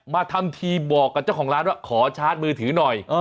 มาทำทีบอกกับเจ้าของร้านว่าขอชาร์จมือถือหน่อย